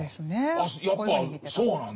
あやっぱそうなんだと。